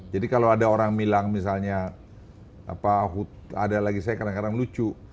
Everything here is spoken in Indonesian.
jadi kalau ada orang bilang misalnya ada lagi saya kadang kadang lucu